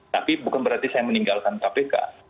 tapi bukan berarti saya meninggalkan kpk